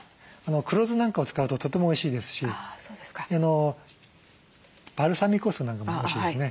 黒酢なんかを使うととてもおいしいですしバルサミコ酢なんかもおいしいですね。